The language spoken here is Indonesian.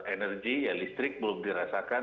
energi ya listrik belum dirasakan